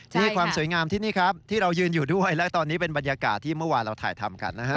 นี่ความสวยงามที่นี่ครับที่เรายืนอยู่ด้วยและตอนนี้เป็นบรรยากาศที่เมื่อวานเราถ่ายทำกันนะฮะ